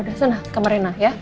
udah sana ke kamar rena ya